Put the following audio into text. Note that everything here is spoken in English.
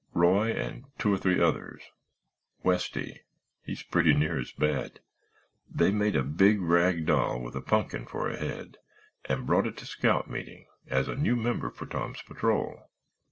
Roy and two or three others—Westy, he's pretty near as bad—they made a big rag doll with a punkin for a head and brought it to scout meeting as a new member for Tom's patrol.